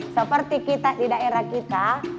seperti kita di daerah kita